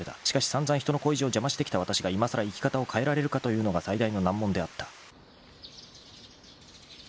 しかし散々人の恋路を邪魔してきたわたしがいまさら生き方を変えられるかというのが最大の難問であった］